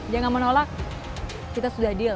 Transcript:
dia gak menolak kita sudah deal